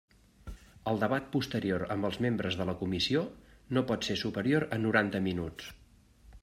El debat posterior amb els membres de la comissió no pot ser superior a noranta minuts.